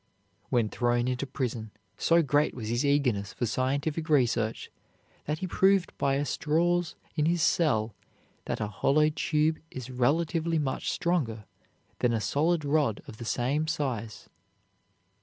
When thrown into prison, so great was his eagerness for scientific research that he proved by a straws in his cell that a hollow tube is relatively much stronger than a solid rod of the same size.